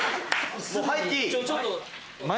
もう入っていい？